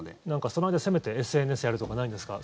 その間、せめてＳＮＳやるとかないんですか？